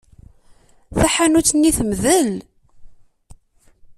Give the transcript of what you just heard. Taḥanut-nni temdel.